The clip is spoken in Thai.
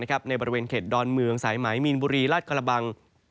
ในบริเวณเขตดอนเมืองสายไหมมีนบุรีลาดกระบัง